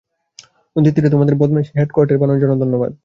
নদীর তীরে তোমার বদমায়েশির হেডকোয়ার্টার বানানোর জন্য ধন্যবাদ।